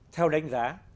theo đánh giá